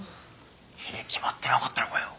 決まってなかったのかよ？